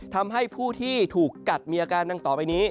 ทำให้ผู้ที่ถูกกัดมีอาการดังต่อไปนี้